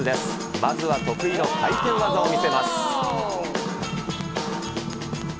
まずは得意の回転技を見せます。